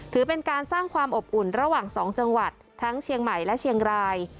ถือเป็นการสร้างความอบอุ่นระหว่าง๒จังหวัดทั้งเชียงใหม่และเชียงราย